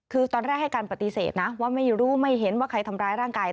คือตอนแรกให้การปฏิเสธนะว่าไม่รู้ไม่เห็นว่าใครทำร้ายร่างกาย